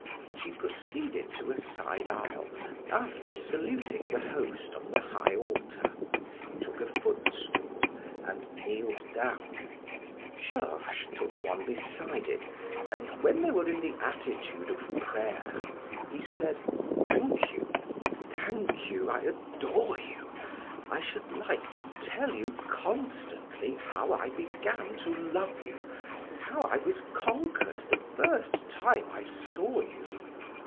She proceeded to a side aisle after saluting the Host on the High Altar, took a footstool, and kneeled down. Georges took one beside it and when they were in the attitude of prayer, he said: "Thank you, thank you. I adore you. I should like to tell you constantly how I began to love you, how I was conquered the first time I saw you.